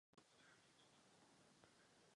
Perské písmo se vyvíjelo hned po vzniku Persie.